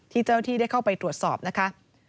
เจ้าที่ได้เข้าไปตรวจสอบนะคะ